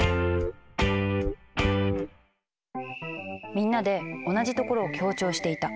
みんなで同じところを強調していた。